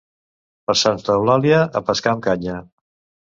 Per Santa Eulàlia, a pescar amb canya.